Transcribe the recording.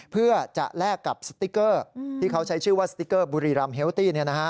เพื่อจะแลกกับสติ๊กเกอร์ที่เขาใช้ชื่อว่าสติ๊กเกอร์บุรีรำเฮลตี้